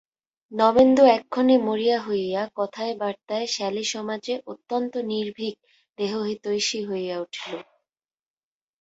নবেন্দু এক্ষণে মরিয়া হইয়া কথায় বার্তায় শ্যালীসমাজে অত্যন্ত নির্ভীক দেশহিতৈষী হইয়া উঠিল।